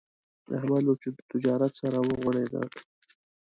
احمد له تجارت سره وغوړېدا.